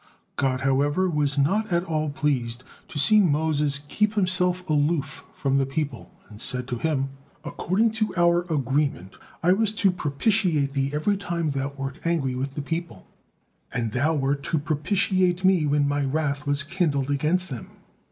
God, however, was not at all pleased to see Moses keep himself aloof from the people, and said to him: "According to our agreement, I was to propitiate thee every time thou wert angry with the people, and thou wert to propitiate Me when My wrath was kindled against them.